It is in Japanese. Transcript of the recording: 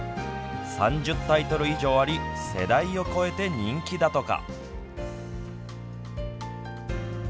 ３０タイトル以上あり世代を超えて人気だとか。